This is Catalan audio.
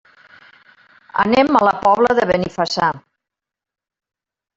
Anem a la Pobla de Benifassà.